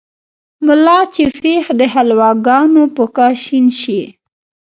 ملا چې پېښ دحلواګانو په کاشين شي